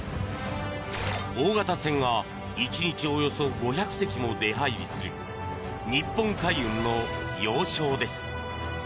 大型船が１日およそ５００隻も出入りする日本海運の要衝です。